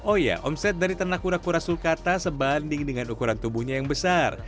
oh ya omset dari tanah kura kura sulkata sebanding dengan ukuran tubuhnya yang besar